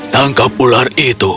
tangkap ular itu